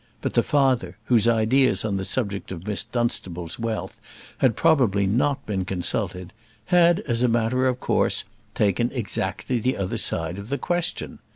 But the father, whose ideas on the subject of Miss Dunstable's wealth had probably not been consulted, had, as a matter of course, taken exactly the other side of the question.